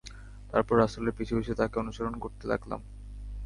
তারপর রাসূলের পিছু পিছু তাঁকে অনুসরণ করতে লাগলাম।